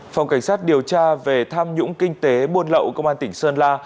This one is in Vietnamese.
phòng cảnh sát điều tra về tham nhũng kinh tế buôn lậu công an tỉnh sơn la